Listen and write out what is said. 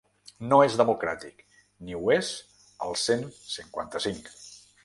No és democràtic, ni ho és el cent cinquanta-cinc.